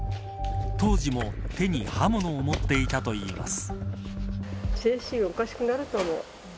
当時も、手に刃物を持っていたといいます。